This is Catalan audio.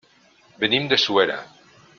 Venim de Suera.